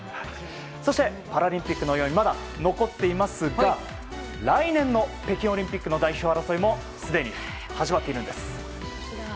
そしてパラリンピックの余韻はまだ残っていますが次の北京オリンピックへの戦いがすでに始まっているんです。